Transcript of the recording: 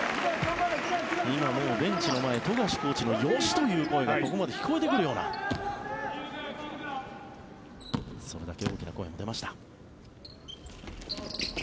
今、もうベンチの前富樫コーチの、よし！という声がここまで聞こえてくるようなそれだけ大きな声も出ました。